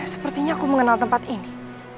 sepertinya aku mengenal tempat ini